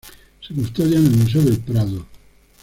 Se custodia en el Museo del Prado.